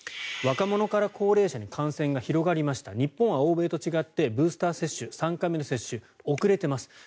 若者から高齢者に感染が広がりました日本は欧米と違ってブースター接種、３回目の接種が遅れてます。